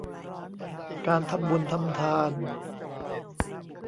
การทำบุญทำทาน